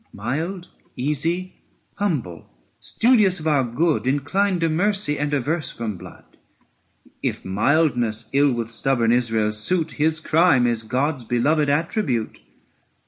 Mild, easy, humble, studious of our good, 335 Inclined to mercy and averse from blood. If mildness ill with stubborn Israel suit, His crime is God's beloved attribute.